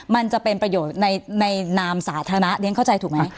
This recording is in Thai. มันจะเป็นประโยชน์ในนามสาธารณะเรียนเข้าใจถูกไหม